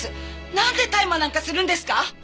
なんで大麻なんかするんですか！？